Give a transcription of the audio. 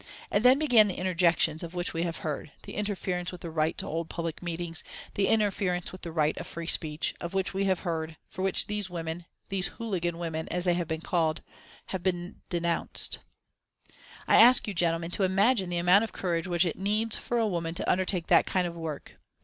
And then began the interjections of which we have heard, the interference with the right to hold public meetings, the interference with the right of free speech, of which we have heard, for which these women, these hooligan women, as they have been called have been denounced. I ask you, gentlemen, to imagine the amount of courage which it needs for a woman to undertake that kind of work.